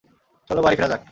চলো বাড়ি ফেরা যাক।